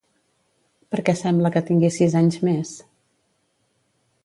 Per què sembla que tingui sis anys més?